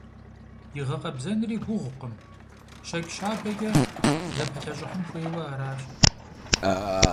И гъэкъэбзэнри гугъукъым: щэкӏ щабэкӏэ зэпыплъэщӏыхьын хуейуэ аращ.